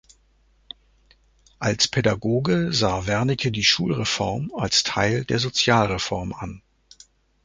Als Pädagoge sah Wernicke die Schulreform als Teil der Sozialreform an.